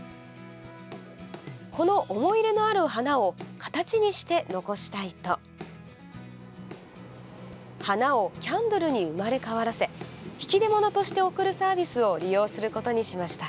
この思い入れのある花を形にして残したいと花をキャンドルに生まれ変わらせ引き出物として贈るサービスを利用することにしました。